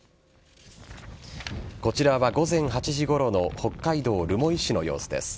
こちらは午前８時ごろの北海道留萌市の様子です。